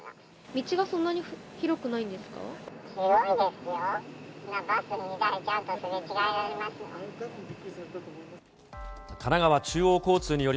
道はそんなに、広くないんで広いですよ。